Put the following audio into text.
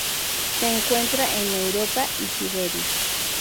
Se encuentra en Europa y Siberia.